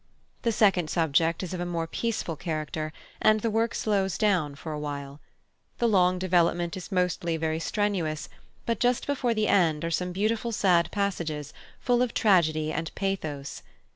The second subject is of a more peaceful character, and the work slows down for a while. The long development is mostly very strenuous, but just before the end are some beautiful sad passages full of tragedy and pathos.